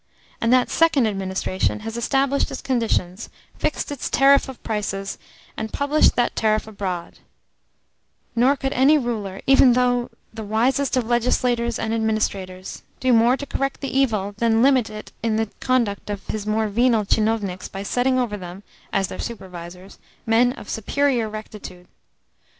And that second administration has established its conditions, fixed its tariff of prices, and published that tariff abroad; nor could any ruler, even though the wisest of legislators and administrators, do more to correct the evil than limit it in the conduct of his more venal tchinovniks by setting over them, as their supervisors, men of superior rectitude.